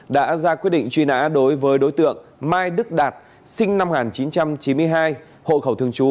đã ra quyết định truy nã đối với đối tượng mai đức đạt sinh năm một nghìn chín trăm chín mươi hai hộ khẩu thường trú